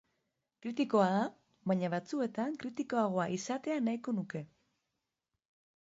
Kritikoa da, baina batzuetan kritikoagoa izatea nahi nuke.